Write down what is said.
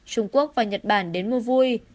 trung quốc và nhật bản đến mua vui